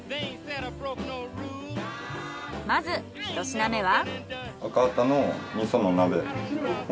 まず１品目は？